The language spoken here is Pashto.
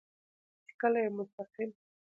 چې کله يې مستقيم